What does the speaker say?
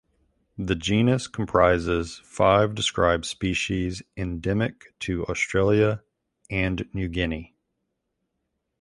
The genus comprises five described species endemic to Australia and New Guinea.